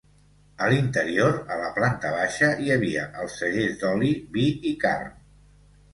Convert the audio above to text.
A l’interior, a la planta baixa hi havia els cellers d’oli, vi i carn.